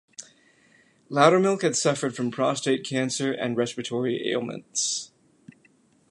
Loudermilk had suffered from prostate cancer and respiratory ailments.